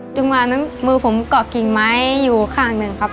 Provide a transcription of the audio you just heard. จังหวะนั้นมือผมเกาะกิ่งไม้อยู่ข้างหนึ่งครับ